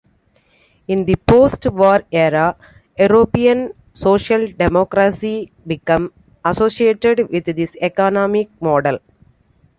In the post-war era, European social democracy became associated with this economic model.